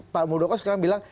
pak muldoko sekarang bilang